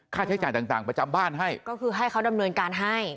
ค่าใช้จ่ายต่างต่างประจำบ้านให้ก็คือให้เขาดำเนินการให้